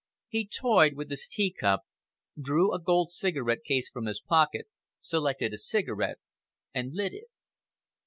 He toyed with his teacup, drew a gold cigarette case from his pocket, selected a cigarette, and lit it.